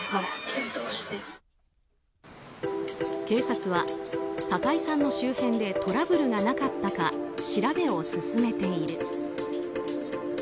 警察は高井さんの周辺でトラブルがなかったか調べを進めている。